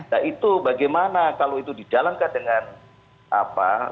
nah itu bagaimana kalau itu dijalankan dengan apa